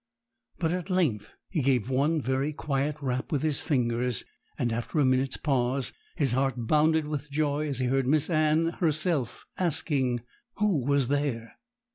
But at length he gave one very quiet rap with his fingers, and after a minute's pause his heart bounded with joy as he heard Miss Anne herself asking who was there.